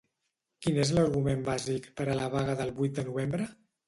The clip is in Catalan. Quin és l’argument bàsic per a la vaga del vuit de novembre?